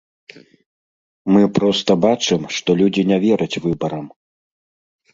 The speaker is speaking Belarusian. Мы проста бачым, што людзі не вераць выбарам.